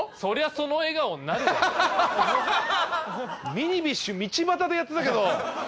ミニビッシュ道端でやってたけど。